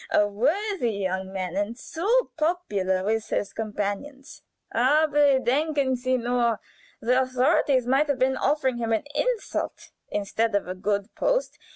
a worthy young man, and so popular with his companions! Aber denken sie nur! The authorities might have been offering him an insult instead of a good post.